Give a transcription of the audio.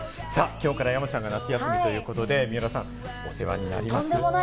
きょうから山ちゃんが夏休みということで、水卜さん、お世話になります。